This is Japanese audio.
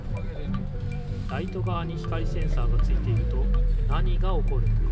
ライトがわに光センサーがついていると何がおこるのか？